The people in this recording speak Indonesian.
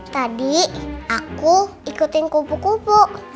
tadi aku ikutin kumpul kumpul